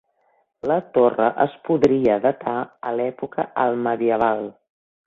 La torre es podria datar a l'època alt-medieval.